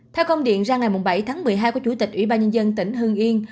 theo công điện ra ngày bảy tháng một mươi hai của chủ tịch ủy ban nhân dân tỉnh hương yên